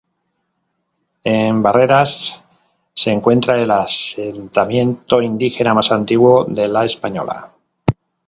En Barreras se encuentra el asentamiento indígena más antiguo de La Española.